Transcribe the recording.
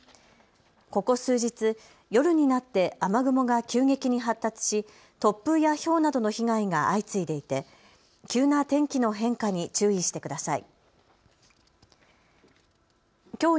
ここ数日、夜になって雨雲が急激に発達し突風やひょうなどの被害が相次いでいて急な天気の変化に注意してください。